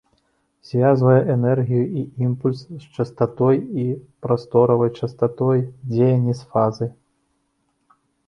Звязвае энергію і імпульс з частатой і прасторавай частатой, дзеянні з фазай.